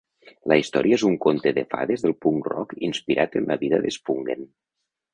La història és un conte de fades del punk-rock inspirat en la vida d'Spungen.